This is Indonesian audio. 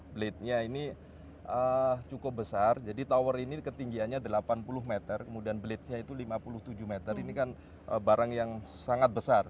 blade nya ini cukup besar jadi tower ini ketinggiannya delapan puluh meter kemudian bladesnya itu lima puluh tujuh meter ini kan barang yang sangat besar